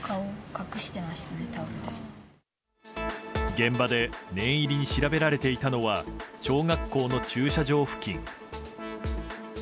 現場で、念入りに調べられていたのは小学校の駐車場付近。